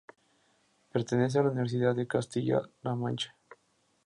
Pertenece a la Universidad de Castilla-La Mancha.